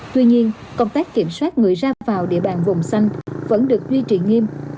tuy nhiên công tác kiểm soát người ra vào địa bàn vùng xanh vẫn được duy trì nghiêm